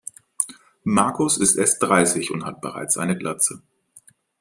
Markus ist erst dreißig und hat bereits eine Glatze.